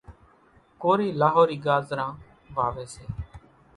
ڪورِي لاهورِي ڳازران واويَ سي۔